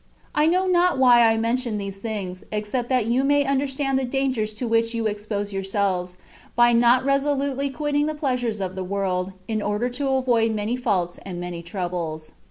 I know not why I mention these things, except that you may understand the dangers to which you expose yourselves, by not resolutely quitting the pleasures of the world, in order to avoid many faults and many troubles.